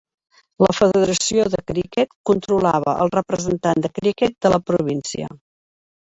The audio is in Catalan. La Federació de Criquet controlava al representant de criquet de la província.